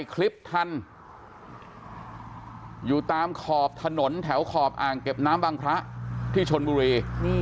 คลิปทันอยู่ตามขอบถนนแถวขอบอ่างเก็บน้ำบางพระที่ชนบุรี